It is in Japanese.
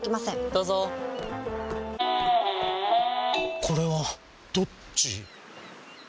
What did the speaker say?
どうぞこれはどっち？